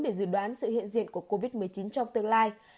để dự đoán sự hiện diện của covid một mươi chín trong tương lai